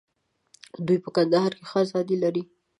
دوی په کندهار کې ښه آزادي لري.